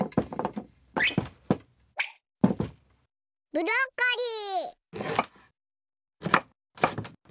ブロッコリー！